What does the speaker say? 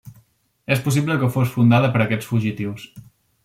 És possible que fos fundada per aquests fugitius.